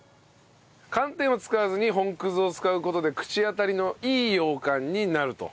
寒天を使わずに本葛を使う事で口当たりのいいようかんになると。